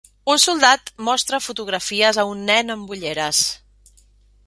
Un soldat mostra fotografies a un nen amb ulleres.